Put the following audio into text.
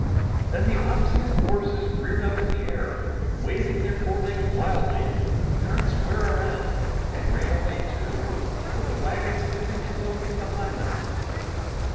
Then the oxen and horses reared up in the air, waving their forelegs wildly, turned square around, and ran away, too, with the wagons tipping and tilting behind them.